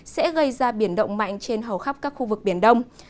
sẽ gây ra biển động mạnh trên hầu khắp các khu vực biển đông